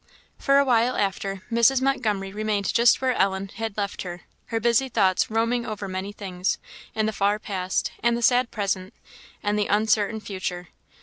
For a while after, Mrs. Montgomery remained just where Ellen had left her, her busy thoughts roaming over many things, in the far past, and the sad present, and the uncertain future.